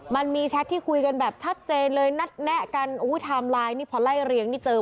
มันมีแชทที่คุยกันแบบชัดเจนเลยนัดแนะกันอุ้ยไทม์ไลน์นี่พอไล่เรียงนี่เจอ